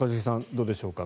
どうでしょうか。